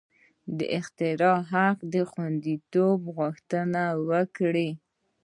د اختراع حق د خوندیتوب غوښتنه وکړي.